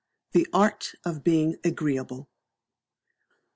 The Art of being Agreeable.